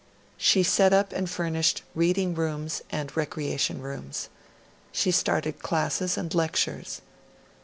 She set up and furnished reading rooms and recreation rooms. She started classes and lectures.